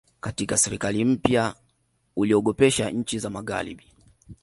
katika serikali mpya uliogopesha nchi za magharibi